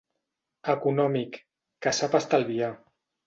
Econòmic: Que sap estalviar.